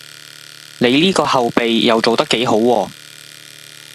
你呢個後備又做得幾好喎